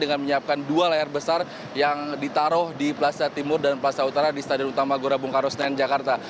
dengan menyiapkan dua layar besar yang ditaruh di plaza timur dan plaza utara di stadion utama gelora bung karno senayan jakarta